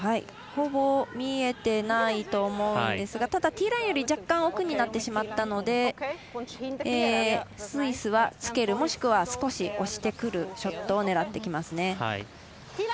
ほぼ見えてないと思うんですがただ、ティーラインより若干、奥になってしまったのでスイスはつける、もしくは少し押してくるショットを狙ってきますね。